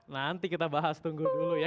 nanti kita bahas tunggu dulu ya